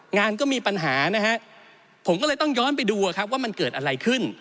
งานก็มีปัญหานะฮะผมก็เลยต้องย้อนไปดูครับว่ามันเกิดอะไรขึ้น